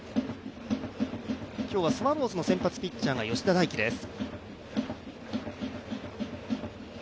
今日は、スワローズの先発ピッチャーが吉田大喜です。